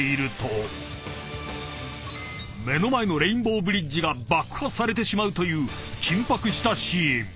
［目の前のレインボーブリッジが爆破されてしまうという緊迫したシーン］